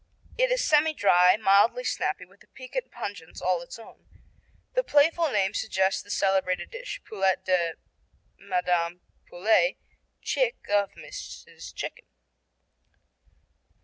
It is semidry, mildly snappy with a piquant pungence all its own. The playful name suggests the celebrated dish, Poulette de Madame Poulet, Chick of Mrs. Chicken.